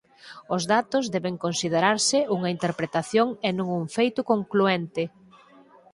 Os datos deben considerarse unha interpretación e non un feito conclúente.